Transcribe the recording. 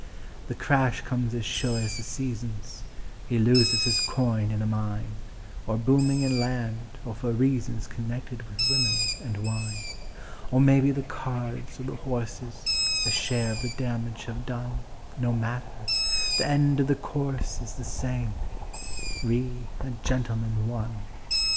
The crash comes as sure as the seasons; He loses his coin in a mine, Or booming in land, or for reasons Connected with women and wine. Or maybe the cards or the horses A share of the damage have done No matter; the end of the course is The same: "Re a Gentleman, One".